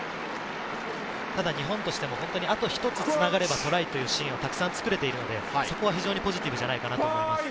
日本としてもあと一つ、つながればトライというシーンをたくさん作れているので、そこは非常にポジティブではないかと思います。